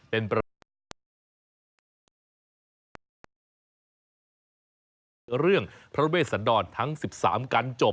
น้องพระชาวนี้แสดงครับทรงสุขได้ให้สินค้าพอสักวันและพอหมด